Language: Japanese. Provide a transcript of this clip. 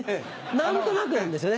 何となくなんですよね？